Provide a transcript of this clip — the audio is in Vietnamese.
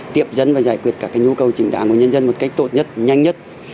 tiệm dân và giải quyết các nhu cầu trình đảng của nhân dân một cách tốt nhất nhanh nhất